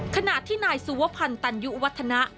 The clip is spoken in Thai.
ขณะที่นายสุวพันธ์ตันยุวัฒนะ